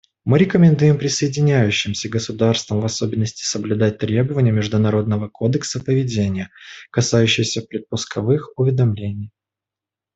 Мы рекомендуем присоединяющимся государствам в особенности соблюдать требования международного кодекса поведения, касающиеся предпусковых уведомлений.